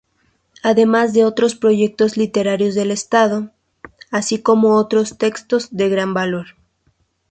Además de otros proyectos literarios del estado, así como otros textos de gran valor.